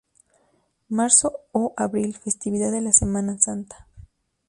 Marzo ó Abril: Festividad de La Semana Santa.